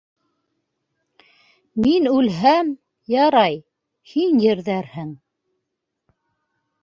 - Мин үлһәм, ярай, һин ерҙәрһең.